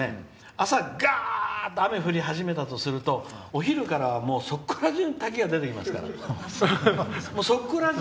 朝、がーっと雨が降り始めたとするとお昼からはそこらじゅうの山から滝が出てきますから。